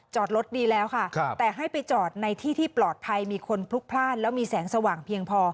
จอดรถดีแล้วค่ะแต่ให้ไปจอดในที่ที่ปลอดภัยมีคนพลุกพลาดแล้วมีแสงสว่างเพียงพอ